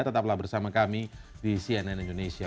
tetaplah bersama kami di cnn indonesia